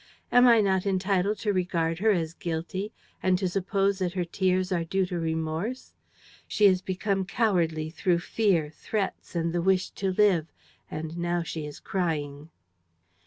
"Am I not entitled to regard her as guilty and to suppose that her tears are due to remorse? She has become cowardly through fear, threats and the wish to live; and now she is crying."